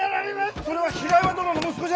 それは平岩殿の息子じゃ！